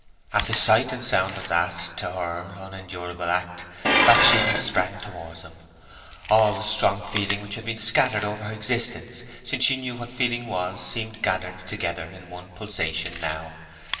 At the sight and sound of that, to her, unendurable act, Bathsheba sprang towards him. All the strong feelings which had been scattered over her existence since she knew what feeling was, seemed gathered together into one pulsation now.